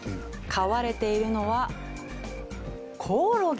飼われているのはコオロギ。